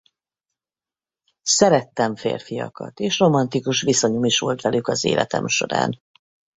Szerettem férfiakat és romantikus viszonyom is volt velük az életem során.